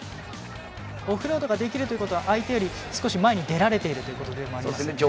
オフロードができるということは相手より少し前に出られているということでもありますね。